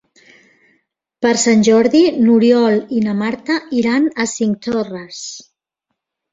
Per Sant Jordi n'Oriol i na Marta iran a Cinctorres.